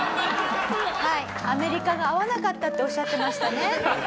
「アメリカが合わなかった」っておっしゃってましたね